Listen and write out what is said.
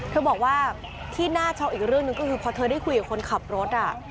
เธอบอกว่าที่น่าช็อกอีกเรื่องหนึ่งก็คือพอเธอได้คุยกับคนขับรถ